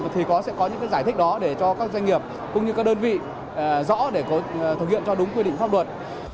thì sẽ có những giải thích đó để cho các doanh nghiệp cũng như các đơn vị rõ để thực hiện cho đúng quy định pháp luật